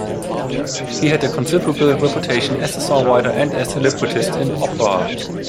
He had a considerable reputation as a songwriter and as a librettist in opera.